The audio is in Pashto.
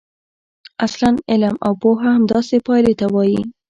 اصلاً علم او پوهه همداسې پایلې ته وايي.